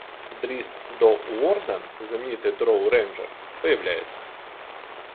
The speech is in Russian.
Дриззт До'Урден, знаменитый дроу-рейнджер, появляется